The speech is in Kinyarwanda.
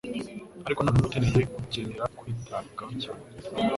Ariko ntanumwe ukeneye gukenera kwitabwaho cyane,